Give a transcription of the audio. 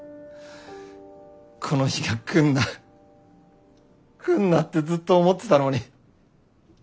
この日が来んな来んなってずっと思ってたのに。